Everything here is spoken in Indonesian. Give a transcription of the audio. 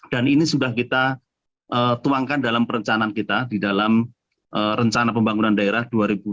dan ini sudah kita tuangkan dalam perencanaan kita di dalam rencana pembangunan daerah dua ribu tiga dua ribu dua puluh enam